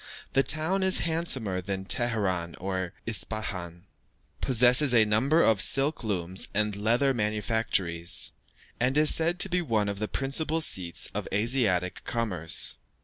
The town is handsomer than Teheran or Ispahan, possesses a number of silk looms and leather manufactories, and is said to be one of the principal seats of Asiatic commerce.